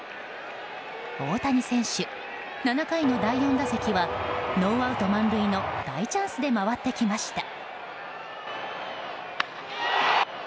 大谷選手、７回の第４打席はノーアウト満塁の大チャンスで回ってきました。